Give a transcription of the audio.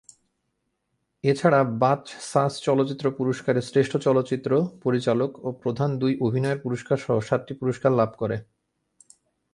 এছাড়া বাচসাস চলচ্চিত্র পুরস্কারে শ্রেষ্ঠ চলচ্চিত্র, পরিচালক ও প্রধান দুই অভিনয়ের পুরস্কারসহ সাতটি পুরস্কার লাভ করে।